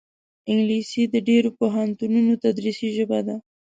انګلیسي د ډېرو پوهنتونونو تدریسي ژبه ده